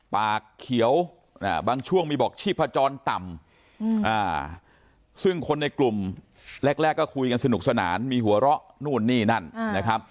ปากเขียวบางช่วงมีบอกชีพจรต่ำซึ่งคนในกลุ่มแรกก็คุยกันสนุกสนานมีหัวเราะนู่นนี่นั่นนะครับ